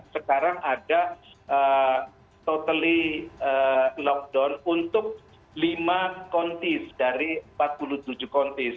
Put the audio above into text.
sekarang ada total lockdown untuk lima kontis dari empat puluh tujuh kontis